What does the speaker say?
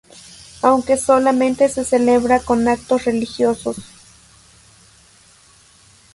Aunque solamente se celebra con actos religiosos.